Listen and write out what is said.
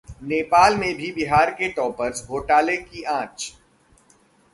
नेपाल में भी बिहार के टॉपर्स घोटाले की आंच!